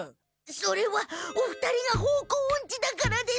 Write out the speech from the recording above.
それはお二人が方向オンチだからです。